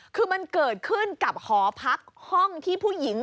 คือมันเกิดขึ้นกับหอพักห้องที่ผู้หญิง